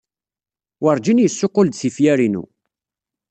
Werjin yessuqqul-d tifyar-inu.